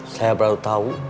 saya baru tau